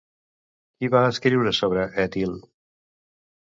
Qui va escriure sobre Ètil?